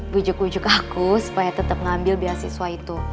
bujuk bujuk aku supaya tetap ngambil beasiswa itu